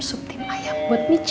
sup tim ayam buat mich